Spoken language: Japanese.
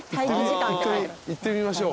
一回行ってみましょう。